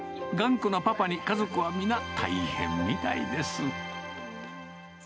頑固なパパに、家族は皆、大変みたいです。